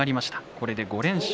これで５連勝。